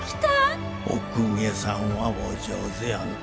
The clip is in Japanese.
お公家さんはお上手やなぁ。